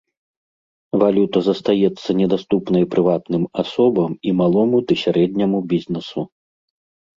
Валюта застаецца недаступнай прыватным асобам і малому ды сярэдняму бізнэсу.